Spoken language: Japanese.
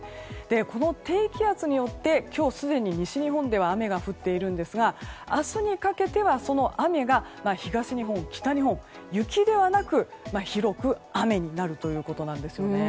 この低気圧によって今日すでに西日本では雨が降っているんですが明日にかけてはその雨が東日本、北日本で雪ではなく、広く雨になるということなんですね。